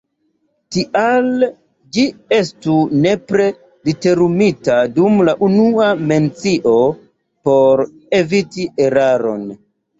Tial ĝi estu nepre literumita dum la unua mencio por eviti eraron.